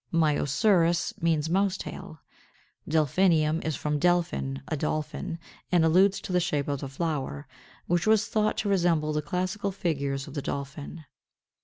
Myosurus means mouse tail. Delphinium is from delphin, a dolphin, and alludes to the shape of the flower, which was thought to resemble the classical figures of the dolphin.